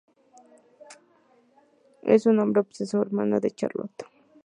Es un hombre obeso, hermano de Charlotte.